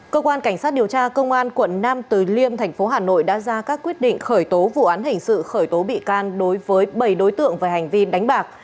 cơ quan cảnh sát điều tra công an quận nam từ liêm thành phố hà nội đã ra các quyết định khởi tố vụ án hình sự khởi tố bị can đối với bảy đối tượng về hành vi đánh bạc